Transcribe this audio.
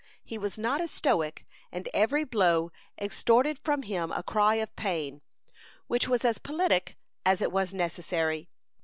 He was not a Stoic, and every blow extorted from him a cry of pain, which was as politic as it was necessary.